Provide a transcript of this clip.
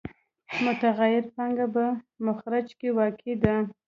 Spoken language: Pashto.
متغیره پانګه په مخرج کې واقع ده